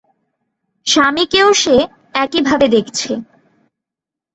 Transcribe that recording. স্বামীকেও সে একই ভাবে দেখছে।